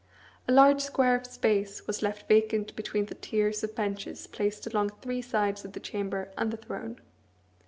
A large square space was left vacant between the tiers of benches placed along three sides of the chamber and the throne.